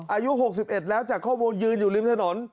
อายุ๖๑แล้วจากข้อมูลยืนอยู่ริมถนน